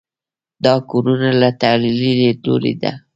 دا ګورنه له تحلیلي لیدلوري ده.